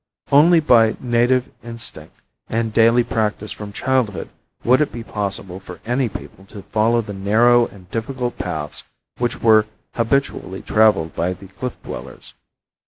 Only by native instinct and daily practice from childhood would it be possible for any people to follow the narrow and difficult paths which were habitually traveled by the cliff dwellers.